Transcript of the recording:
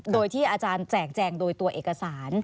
โดยที่อาจารย์แจกแจงโดยตัวเอกสาร